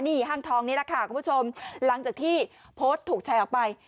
นี่ห้างทองนี้แหละค่ะคุณผู้ชมหลังจากที่โพสต์ถูกแชร์ออกไป